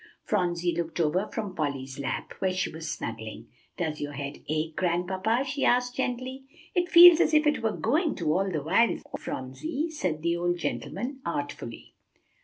Phronsie looked over from Polly's lap, where she was snuggling. "Does your head ache, Grandpapa?" she asked gently. "It feels as if it were going to, all the while, Phronsie," said the old gentleman artfully.